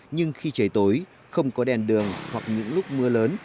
nhưng khi trời tối không có đèn đường hoặc những lúc mưa lớn